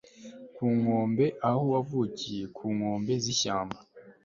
ku nkombe aho wavukiye, ku nkombe z'ishyamba